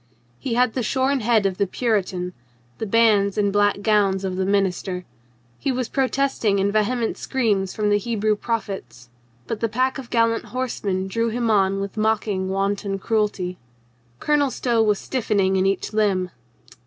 He had the shorn head of the Puritan, the bands and black gown of the minister. He was protesting in vehement screams from the Hebrew prophets. But the pack of gallant horsemen drove him on with mocking wanton cruelty. Colonel Stow was stiffening in each limb.